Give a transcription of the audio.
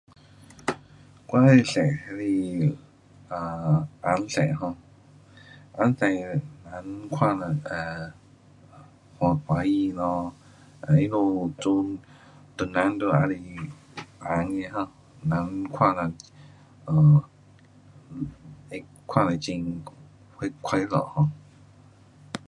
我喜欢的色是 um 红色，um 红色红看了 um 欢，欢喜咯，他们中，唐人都喜欢红的哈，人看了，um 会看了很，会快乐 um。